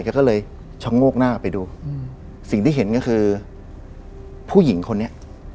แกก็เลยชะโงกหน้าไปดูสิ่งที่เห็นก็คือผู้หญิงคนนี้